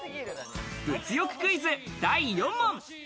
物欲クイズ、第４問。